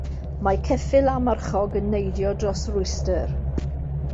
Mae ceffyl a marchog yn neidio dros rwystr.